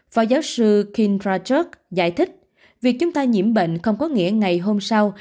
phó giáo sư kindra chok giải thích việc chúng ta nhiễm bệnh không có nghĩa ngày hôm sau